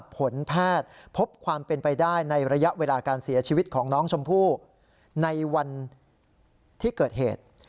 ผลแพทย์พบความเป็นไปได้ในระยะเวลาการเสียชีวิตของน้องชมพู่ในวันที่เกิดเหตุ